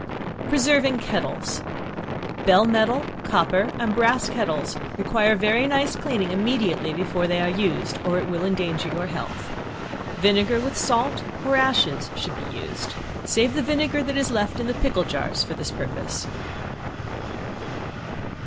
Preserving Kettles. Bell metal, copper and brass kettles require very nice cleaning immediately before they are used, or it will endanger your health. Vinegar with salt or ashes should be used; save the vinegar that is left in the pickle jars for this purpose.